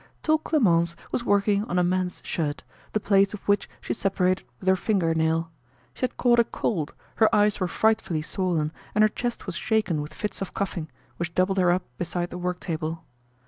Tall Clemence was working on a man's shirt, the plaits of which she separated with her finger nail. She had caught a cold, her eyes were frightfully swollen and her chest was shaken with fits of coughing, which doubled her up beside the work table.